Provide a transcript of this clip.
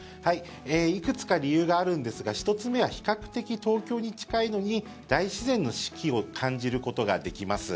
いくつか理由があるんですが１つ目は、比較的東京に近いのに大自然の四季を感じることができます。